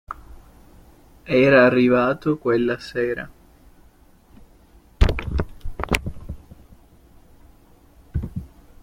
Era arrivato quella sera.